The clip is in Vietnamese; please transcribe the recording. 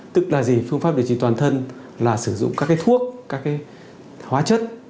tức là gì phương pháp điều trị toàn thân là sử dụng các thuốc các hóa chất